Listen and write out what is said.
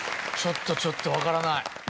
ちょっとちょっと分からない。